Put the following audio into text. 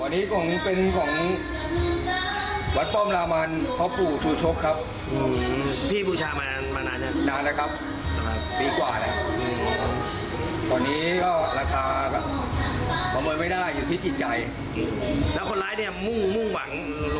แล้วคนร้ายเนี่ยมุ่งหวังหลวงปู่เลยไหม